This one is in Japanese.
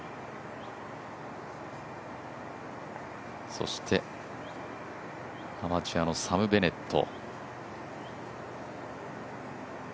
そして、アマチュアのサム・ベネット。